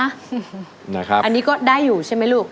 อันนี้ก็ได้อยู่ใช่ไหมลูก